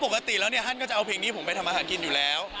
เพราะปกติแล้วฮั่นก็จะเอาเพลงนี้ผมไปทำอาหารกินอยู่แล้ว